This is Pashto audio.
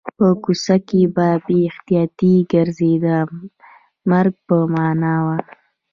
په کوڅه کې په بې احتیاطۍ ګرځېدل د مرګ په معنا و